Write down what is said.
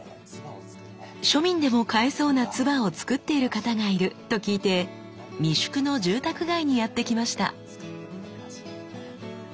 庶民でも買えそうな鐔をつくっている方がいると聞いて三宿の住宅街にやってきました。